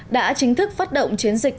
đã chính thức phát động chiến dịch